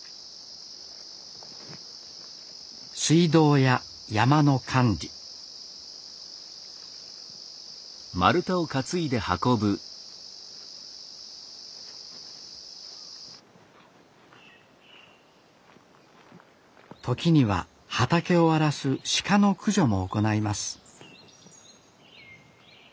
水道や山の管理時には畑を荒らす鹿の駆除も行います